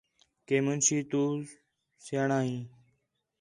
کہ مُنشی تو سیاݨاں ہیں